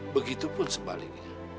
begitu pun sebaliknya